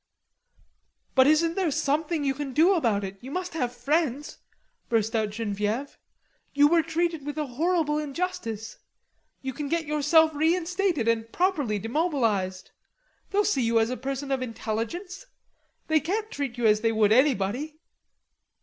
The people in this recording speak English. "But isn't there something you can do about it? You must have friends," burst out Genevieve. "You were treated with horrible injustice. You can get yourself reinstated and properly demobilised. They'll see you are a person of intelligence. They can't treat you as they would anybody."